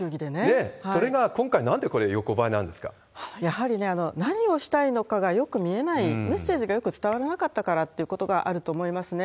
それが今回、なんでこれ、やはりね、何をしたいのかがよく見えない、メッセージがよく伝わらなかったからということがあると思いますね。